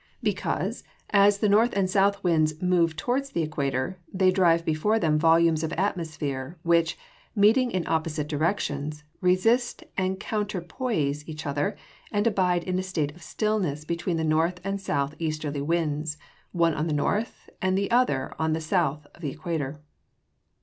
_ Because, as the north and the south winds move towards the equator, they drive before them volumes of atmosphere, which, meeting in opposite directions, resist and counterpoise each other, and abide in a state of stillness between the north and south easterly winds, one on the north and the other on the south of the equator.